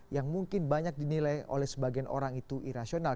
yang mungkin banyak dinilai oleh sebagian orang itu irasional